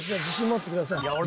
自信持ってください。